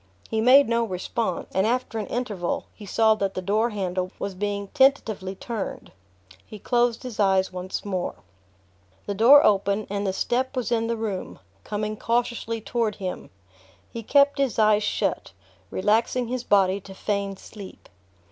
He made no response, and after an interval he saw that the door handle was being tentatively turned. He closed his eyes once more... The door opened, and the step was in the room, coming cautiously toward him. He kept his eyes shut, relaxing his body to feign sleep.